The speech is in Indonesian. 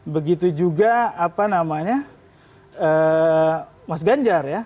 begitu juga mas ganjar ya